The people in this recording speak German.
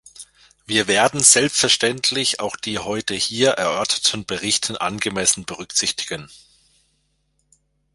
Wir werden selbstverständlich auch die heute hier erörterten Berichte angemessen berücksichtigen.